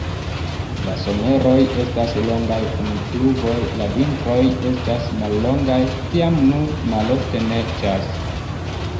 La someroj estas longaj kun pluvoj, la vintroj estas mallongaj, tiam nur malofte neĝas.